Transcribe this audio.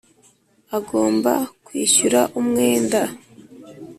Agomba kwishyura umwenda.